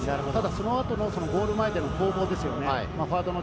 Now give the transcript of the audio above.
その後のゴール前での攻防ですよね。